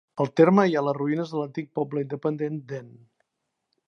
Al terme hi ha les ruïnes de l'antic poble independent d'En.